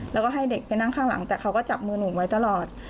แล้วก็ให้เด็กไปนั่งข้างหลังแต่เขาก็จับมือหนูไว้ตลอด